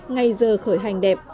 ngay giờ khởi hành đẹp